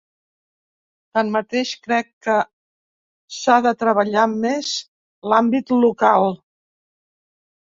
Tanmateix, crec que s’ha de treballar més l’àmbit local.